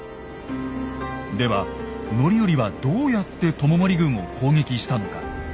では範頼はどうやって知盛軍を攻撃したのか。